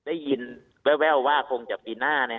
ได้ยินแววว่าคงจะปีหน้า